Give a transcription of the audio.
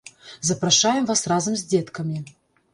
Запрашаем вас разам з дзеткамі!